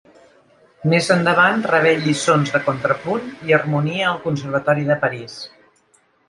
Més endavant rebé lliçons de contrapunt i harmonia al Conservatori de París.